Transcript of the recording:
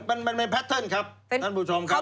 มันเป็นแพทเทิร์นครับท่านผู้ชมครับ